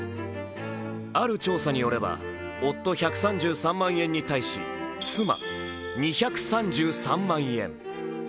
ある調査によれば、夫、１３３万円に対し妻、２３３万円。